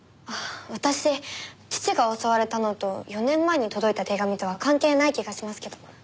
私父が襲われたのと４年前に届いた手紙とは関係ない気がしますけど。